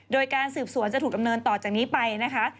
โดยการสืบสวนจะถูกดำเนินต่อจากนี้ไปนะคะ